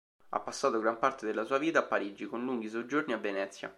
Ha passato gran parte della sua vita a Parigi, con lunghi soggiorni a Venezia.